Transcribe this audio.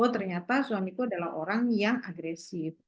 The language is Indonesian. ternyata suamiku adalah orang yang agresif